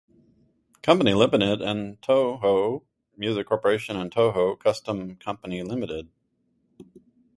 Company Limited, and Toho Music Corporation and Toho Costume Company Limited.